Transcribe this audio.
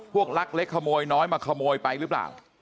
ลักเล็กขโมยน้อยมาขโมยไปหรือเปล่า